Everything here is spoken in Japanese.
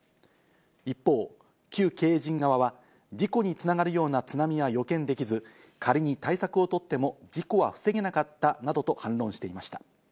一方、旧経営陣側は事故に繋がるような津波は予見できず、仮に対策をとっても事故は防げなかったなどと反論していました。